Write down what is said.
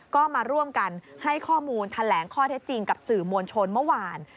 ก็มาร่วมกันให้ข้อมูลแถลงข้อเท็จจริงกับสื่อมวลชนเมื่อวาน